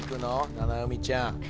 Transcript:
七海ちゃん